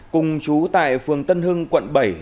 cùng chú tại phường tân hưng quận bảy là đối tượng